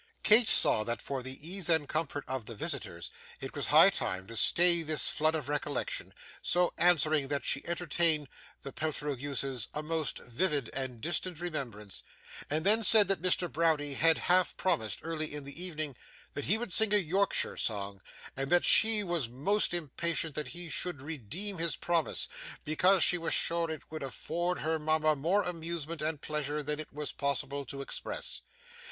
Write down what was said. Kate saw that for the ease and comfort of the visitors it was high time to stay this flood of recollection, so answered that she entertained of the Peltiroguses a most vivid and distinct remembrance; and then said that Mr. Browdie had half promised, early in the evening, that he would sing a Yorkshire song, and that she was most impatient that he should redeem his promise, because she was sure it would afford her mama more amusement and pleasure than it was possible to express.